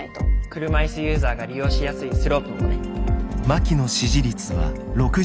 車いすユーザーが利用しやすいスロープもね。